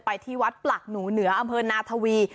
ที่วัดปลักหนูเหนืออำเภอนาทวี